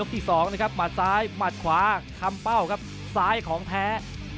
ที่สองนะครับหมัดซ้ายหมัดขวาคำเป้าครับซ้ายของแพ้